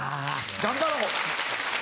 頑張ろう！